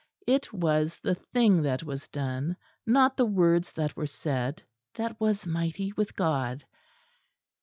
It was the thing that was done; not the words that were said, that was mighty with God.